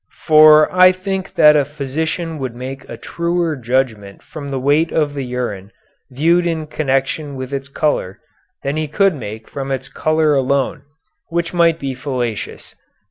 For I think that a physician would make a truer judgment from the weight of the urine viewed in connection with its color than he could make from its color alone, which might be fallacious.